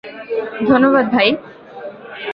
ধন্যবাদ, ভাই!